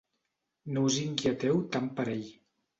No us inquieteu tant per ell.